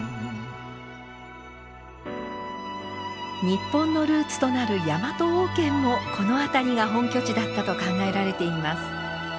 日本のルーツとなるヤマト王権もこの辺りが本拠地だったと考えられています。